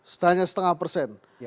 setidaknya setengah persen